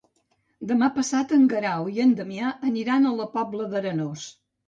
Demà passat en Guerau i en Damià aniran a la Pobla d'Arenós.